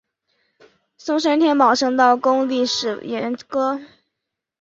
松山天宝圣道宫历史沿革